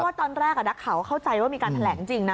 เพราะว่าตอนแรกอ่ะนักข่าวเข้าใจว่ามีการแถลงจริงนะ